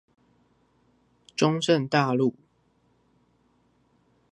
中正大路